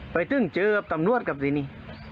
ไปตึ้งเจอกับตำรวจกับสินี้